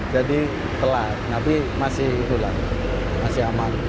jadi telat tapi masih itu lah masih aman